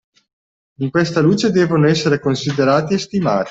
In questa luce devono essere considerati e stimati.